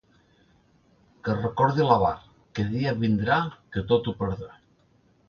Que recordi l'avar, que dia vindrà, que tot ho perdrà.